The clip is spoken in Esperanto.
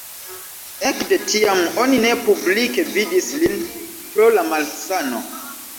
Ekde tiam oni ne publike vidis lin pro la malsano.